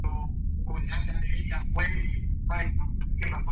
Se encuentra en Dominica y Guadalupe.